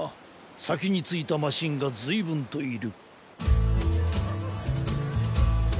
さきについたマシンがずいぶんといる。